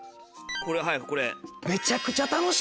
これはいこれ。